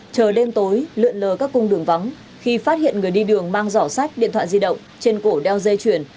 chờ đêm tối lượn lờ các cung đường vắng khi phát hiện người đi đường mang giỏ sách điện thoại di động trên cổ đeo dây chuyền